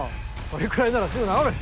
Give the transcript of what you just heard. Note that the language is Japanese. それくらいならすぐ治る。